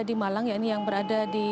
di malang yakni yang berada di